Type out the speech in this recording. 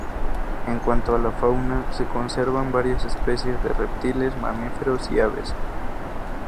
En cuanto a la fauna, se conservan varias especies de reptiles, mamíferos y aves.